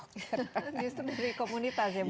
justru dari komunitas ya bu